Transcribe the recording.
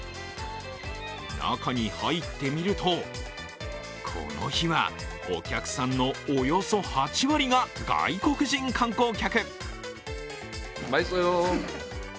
中に入ってみると、この日はお客さんのおよそ８割が外国人観光客。